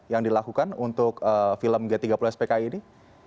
yang dilakukan untuk film g tiga puluh spki ini